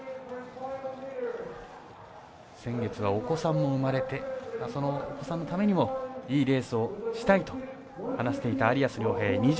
先月はお子さんも生まれてそのお子さんのためにもいいレースをしたいと話していた有安諒平